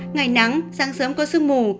ngày nắng sáng sớm có sương mù